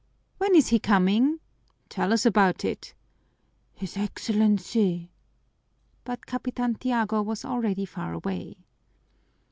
"When is he coming?" "Tell us about it!" "His Excellency!" But Capitan Tiago was already far away.